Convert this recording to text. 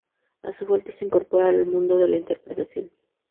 A su vuelta, se incorpora al mundo de la interpretación.